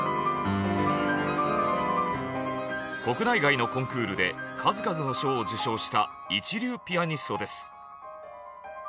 国内外のコンクールで数々の賞を受賞した一流ピアニストです。